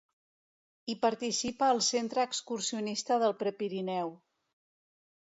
Hi participa el Centre Excursionista del Prepirineu.